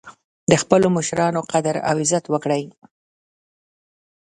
د خپلو مشرانو قدر او عزت وکړئ